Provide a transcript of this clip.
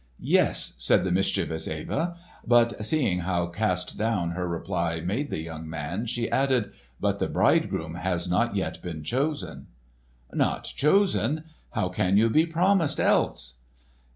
"Yes," said the mischievous Eva; but seeing how cast down her reply made the young man, she added, "but the bridegroom has not yet been chosen." "Not chosen? How can you be promised, else?"